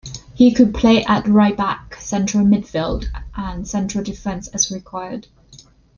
He could play at right back, central midfield, and central defence as required.